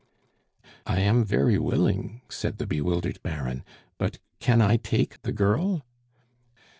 "I am very willing," said the bewildered Baron, "but can I take the girl?"